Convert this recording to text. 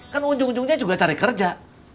kan ujung ujungnya juga cari kerja